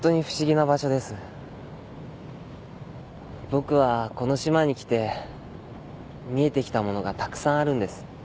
僕はこの島に来て見えてきたものがたくさんあるんです。